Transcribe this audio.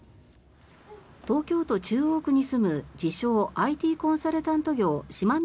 東京都中央区に住む自称・ＩＴコンサルタント業嶋宮